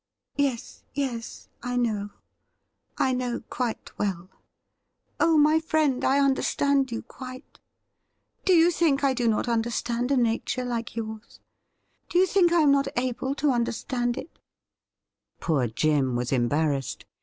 ' Yes, yes, I know — I know quite well ; oh, my friend, I understand you quite ! Do you think I do not under stand a nature like yours ? Do you think I am not able to understand it ?' 112 THE RIDDLE RING Poor Jim was embarrassed.